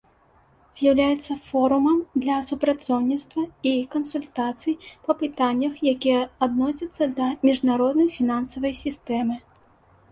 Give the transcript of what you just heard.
З'яўляецца форумам для супрацоўніцтва і кансультацый па пытаннях, якія адносяцца да міжнароднай фінансавай сістэмы.